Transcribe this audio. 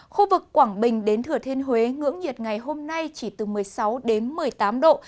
khu vực quảng bình đến thừa thiên huế ngưỡng nhiệt ngày hôm nay chỉ từ một mươi sáu đến một mươi tám độ